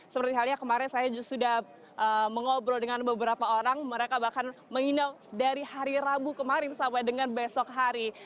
seperti halnya kemarin saya sudah mengobrol dengan beberapa orang mereka bahkan menginap dari hari rabu kemarin sampai dengan besok hari